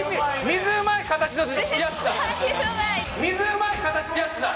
水うまい形のやつだ。